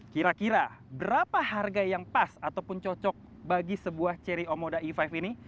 kira kira berapa harga yang pas ataupun cocok bagi sebuah ceri omoda e lima ini